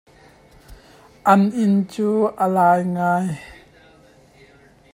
An inn cu a lai ngai.